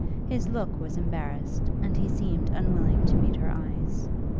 His look was embarrassed, and he seemed unwilling to meet her eyes.